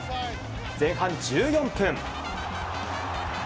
前半１４分。